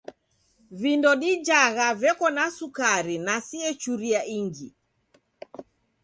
Vindo dijagha veko na sukari na siechuria ingi.